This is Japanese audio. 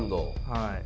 はい。